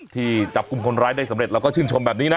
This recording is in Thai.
ที่จับกลุ่มคนร้ายได้สำเร็จเราก็ชื่นชมแบบนี้นะ